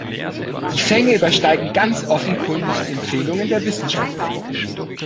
Die Fänge übersteigen ganz offenkundig die Empfehlungen der Wissenschaftler.